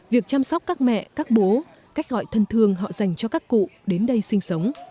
việc chăm sóc các mẹ các bố cách gọi thân thương họ dành cho các cụ đến đây sinh sống